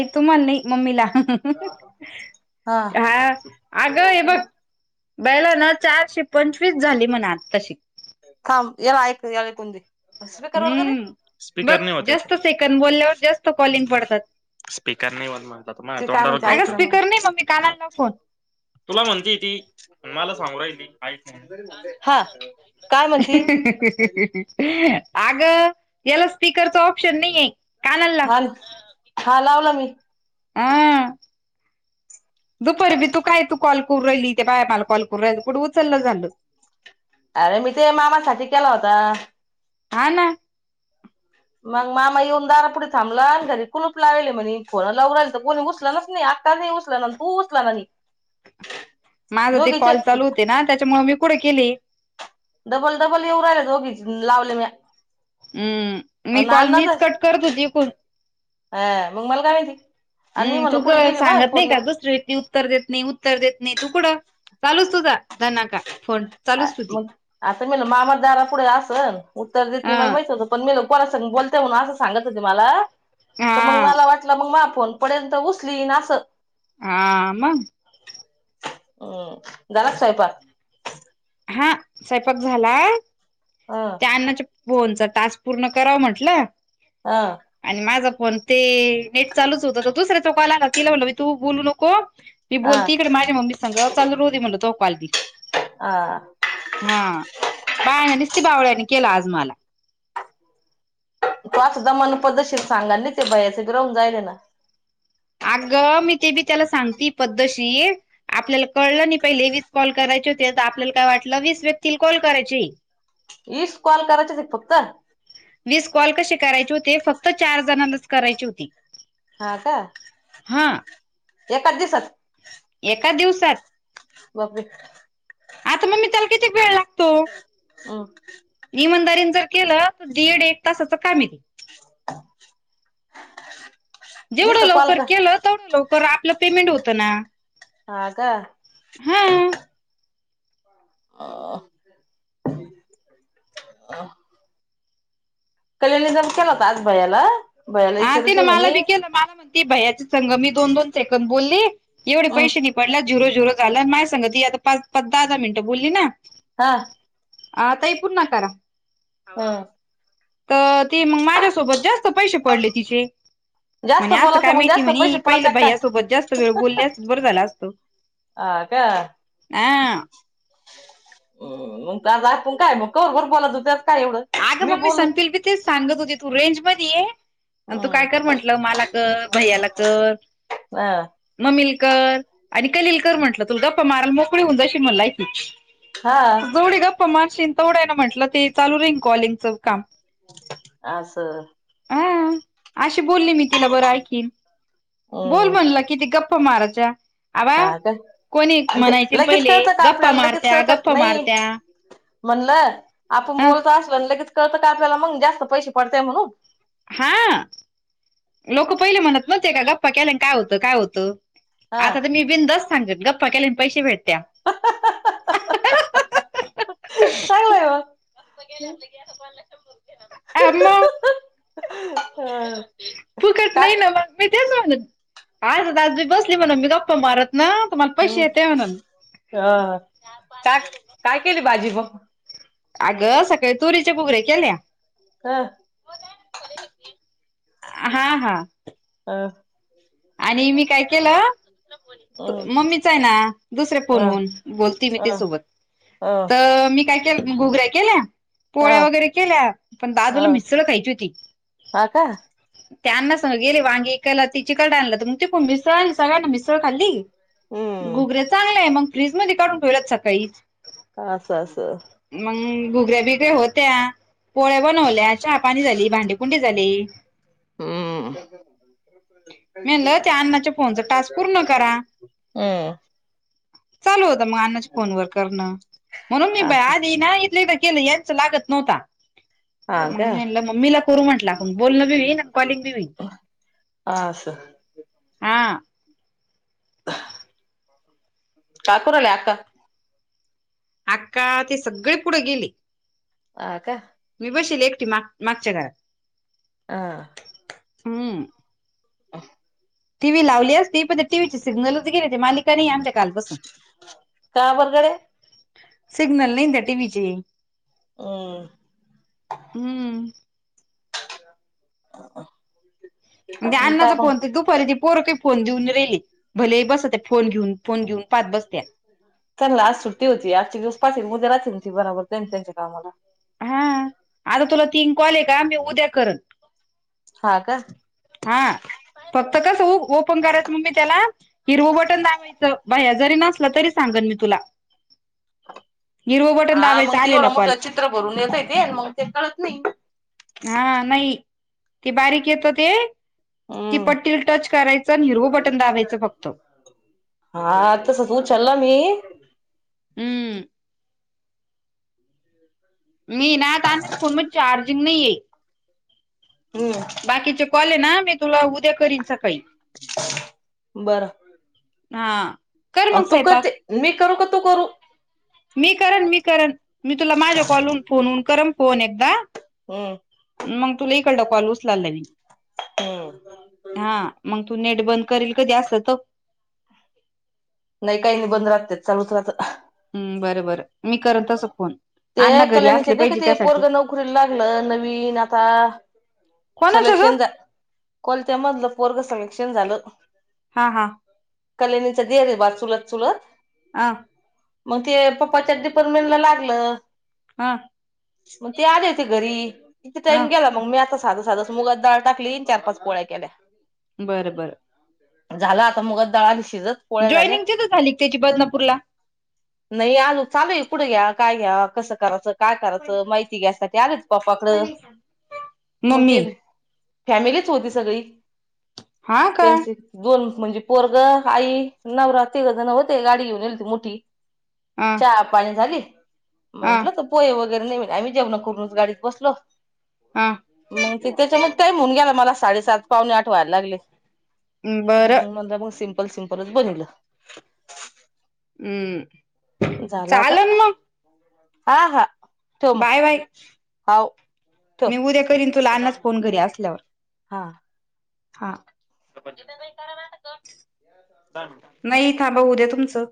ते त म्हणणंय मम्मीला. हा. बायलना चारशे पंचवीस झाली म्हण आत्ताशीक. थांब, याला ऐक याला ऐकुंदे. हुं बघ जास्त सेकंद बोलल्यावर जास्त कॉलिंग पडतात. स्पीकर नायी होत म्हणतात. माझ्या तोंडावर [inaudible] अगं ऐकलं मी. स्पीकर नाही मग मी कानाला लाव फोन तूला म्हणंती ती मला सांगु राहिली ऐक म्हणून. [unintelligible] आगं याला स्पीकरचा ऑप्शन नायीयें. हांल हां लावला मी. आं. दुपारी बी तू काय तू कॉल कोरू राहिली त्या बाया मला कॉलू राहिल्या कुठे उचनं झालेल. अरें मी ते मामासाठी केलाहोता. हां नां. मग मामा येऊन दारापुढ थांबलं आणि घरी कुलूप लावेले म्हणे फोन लाव राहिल तर कोणी उसलं नीया. कां नायी उचलां ना पुचला मिनी? माझ ते कॉल चालूं होते नां त्याच्यामुळे मी पुढे केलं. डबल डबल येऊ राहिलेत ओ बिजी लावल्या म्या. उं मी अन कॉल मीच कट करत होती कोण अं मग मला काय महिती? हुं तु का सांगत नाही दुसर्या ची उत्तर देत नायी उत्तर देत नायी तुकडं चालूचं तुझा दनाका फोन अं चालूच तुझी मग आता मी म्हणलं मामा दारा पुढे असन उत्तर देत अ नयी मला माहित होत. पण मी लोक पोरासंग बोलते म्हून असं सांगत होते मला तर मग हा मला वाट तिला मगं आपुण पडेल ते उसलीन असं. हां मं. हं झाला का स्वैपाक? हां स्वैपाक झालाय. हां. त्यांन च फोनचा टास्क पूर्ण करावं म्हटलं. हां. आणि माझं फोन ते नेट चालूच होतं तर दुसऱ्या चा काॅल आला तिला म्हणलं मी तू बोलू नको. ती हं बोलती इकडे माझ्या मम्मी संग चालू राहुदे म्हणलं तो काॅल ती. हां. हां बायांनी निस्ती बावळ्यानी केला आज मला. तू असं दमान पद्धशीर सांगाल नायी ते बयाचे गं राहून जायलेय नां अगं मी ते बी त्याला सांगते पद्धशीर आपल्याला कळलं नायी पहिले वीस कॉल करायचे होते तर आपल्याला काय वाटलं वीस व्यक्तीला कॉल करायचे. ईस कॉल करायचचं एक फक्त? विस कॉल कशे करायचे होते फक्त चार जणांलाच करायची होती. हां कां हा एकाच दिवसात? एका दिवसात? बापेरे आता मी त्याला वेळ लागतो? हुं. इमानदारीन जर केलं तर दीड एक तासाच काम ते. हं जेवढं लवकर केलं तेवढं लवकर आपलं पेमेंट होतं नां. हां का,? हां. अ [unintelligible] अ [unintelligible] कल्याणी जर केला होता आज भैयाला. भैयाला हा ते विचारते ना मला म्हणे बी केलं, मला म्हण त भैयायाची संग मी दोन दोन सेकद बोलली एवढे हम्म पैसे नि पडला ज झुरो-झुरो झाला, माय सांग ती आता पा दहा-दहा मिनिटं बोलली ना. हा. हा ताई पूर्ण करा. हा. तर ते मग माझ्यासोबत जास्त पैसे पडले तिचे. जास्त म्हणे असं काय बोलायचं मग माहिती जास्त पैसे म्हणी पहिले पडायचे काय भैया सोबत जास्त वेळ बोलली असती बरं झालं असतं. हा का. हा ह आ प काय मग, [inaudible] बर बोला त त्याच काय एवढं. अगं मी मम्मी बोललच संपल बी तेच सांगत होते, तू रेंज मध्ये ये. आणि तू हम्म काय कर म्हणल, मला कर भैयाला कर. अ मम्मी ला कर, आणि कलिलकर म्हटलं तुझ गप्पा माराला मोकळी होऊन जाशी म्हलाय एकादशी. हा जेवढी गप्पा मारशील तेवढं ना म्हंटलं ते चालू रहीन कॉलिंगचं काम. अस. अ अशी बोलली मी तिला, बरं ऐकन बोल हम्म म्हणलं किती गप. गप्पा मारायच्या. आवा हा का कोणी आणि ते म्हणायचे लगेच पहिले, कळतं का गप्प आपल्याला लगेच मारत्या, गप्प कळतं नाही मारत्या. म्हणलं आपण ह बोलत असल, लगेच कळतं का आपल्याला मग जास्त पैसे पडतेय म्हणून. हा. लोक पहिले म्हणत नव्हते का, गप्पा केल्या काय होतं, काय होतं, हा आता तर मी बिंदस्त गप्पा केल्या पैसे भेटत्या. [inaudible] चांगलं आहे मग [inaudible] हा मग. फुकट का नाही ना मग, मी तेच म्हणतोय आ दाजी, मी बसली म्हण मी गप्प मारत. ना तुम्हाला पैसे हम्म येत्या म्हणाल. अ काय टाक, काय केली भाजी मग. अगं सकाळी तुरीच्या बुगरे केल्या. ह. हा हा. ह. आणि मी काय केलं. अ मम्मीच आहे ना, दुसरे फोनहून बोलते मी तिच्या अ सोबत. अ तर मी काय केलं गुगऱ्या केल्या. हा पोळ्या वगैरे केल्या, पण हा दादुला मिसळ खायची होती. हा का त्यांना सग गेले वांगी विकायला, ती चिकट आणल तर मग ते कोण मिसळ सगळ्यांना मिसळ खाल्ली. हम्म घुगऱ्या चांगलं आहे, मग फ्रीज मध्ये काढून ठेवलात सकाळीच. असं-असं. मग घुगऱ्या बिगऱ्या होत्या. पोळ्या बनवल्या, चहा पाणी झाली, भांडीकुंडी झाली. हम्म. मी म्हटल त्या अण्णाच्या फोनचा टास्क पूर्ण करा. हम्म. चालू होता मग अण्णाच्या फोनवर करणं. म्हणून मी बाई असं आधी ना इथल्या इथे केले. लागत नव्हता. हा मग मी का म्हणल मम्मीला करू म्हटल आपण बोलणं बी होईल कॉलिंग बी होईल. हा असं. हा. काय करू राहिली आक्का. अक्का ती सगळी पुढं गेली. हा का. मी बशिले एकटी माग मागच्या घरात. आं. हम्म्. [unintelligible] टी व्ही लावली असती, पण ते टीव्ही चे सिग्नलच गेलीय ते काय नाहीये आमच्या कालपासून, का बर गड्या सिग्नल नाही ना त्या टीव्ही चे. हं. हम्म [unintelligible] अणाणच काय मग फोन ते दुपारी [inaudible] पोरगी फोन देऊन रेली भलेही बस त्या फोन घेऊन फोन घेऊन पाहत बसत्या त्यानला आज सुट्टी होती, आज चे दिवस पाठीन त्याना बराबर त्यांच्या कामाला. हा आता तुला तिन काॅल ये का मी उद्या करतो. हा का. हा फक्त कसं उ ओपन करायचं, मग मी त्याला हिरव बटन दाबायचं बाया जरी नसल तरी सांगन मी तुला. हिरव बटन हा दाबायच मग ते आलेला एवढं कॉल. मोठं चित्र भरून येतय ते मग ते कळत नाही. हां नाहीं ते बारीक येतो ते. ती हम्म पट्टीला- टच करायचं अन हिरव बटन दाबायचं फक्त. हा तसच उचलला मी. हम्म. [inaudible] मी ना आताच्या फोनमध्ये चार्जिग नही. हो का. बाकीचे कॉल आहे ना मी तुला उद्या करीन सकाळी. बरं. हां. अ तू करते मी करू का तू करू मी करन मी करन मी, तुला माझ्या कॉलून फोन करन फोन एकदा. हम्. मग तुला इकडल काॅल उचल चालयं, हम्म हा मग तू नेट बंद करील कधी अस नाही काही नाही बंद राहतेच, चालूच राहतात. हम्म बरं-बरं मी करत तस फोन. ते अण्णा घरी कल्याणीचे असले ते का पाहिजे ते पोरग त्यासाठी नोकरी ला लागलं नवीन आता. कोणाचं ग सलेक्शन झालं, कोलत्या मधलं पोरग सलेक्शन झालं. हां-हां कल्यानीचे दिरे बा चुलत-चुलत. आ्. मग ते पप्पाच्या डिपारमेंटला लागलं. अ मग ते आले होते घरी, कीती - अ टाइम गेला मग मी आता - साधं साधास मुगा च डाळ टाकली, चार पाच पोळ्या केल्या. बरं, बरं. झालं आता मुगाची दाळा आली शिजत. पोळ्या झाल्या जॉईनिंग तितच झाली का? त्याची बदलापूरला. नाही आजुन चालु आहे. कुढं घ्यावा काय घ्यावा कसं करायचं. काय करायच माहिती घ्या साठी आलेत पप्पा कडं. मग ते मम्मी फॅमिली च होती सगळी, हा का त्यांची. दोन म्हणजे पोरग, आई, नवरा तिघजन होते. गाडी घेऊन [unintelligible] येयल होते मोठी. अ चहा पाणी झाली अ म्हंटलं तर पोय वगैरे नाही. म्हणे आम्ही जेवण करूनच गाडीत बसलो. हा. मग ते त्याच्या मधी टाईम होऊन गेला मला, साडेसात पावणे आठ व्हायला लागले. म बरं म्हणलं मग सिम्पल सिम्पलच बनतील. हम्म. झाला आता. चालन मग हा, हा. ठेव मग बाय, बाय हाव ठेव मी उद्या करीन तुला अन्नाच फोन घरी असल्यावर. हा. हा [inaudible] [unintelligible] नाही थांबा हू द्या तुमचं.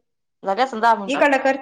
झाले आसन दहा मिनिट. इकडला कर